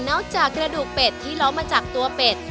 จากกระดูกเป็ดที่ล้อมมาจากตัวเป็ด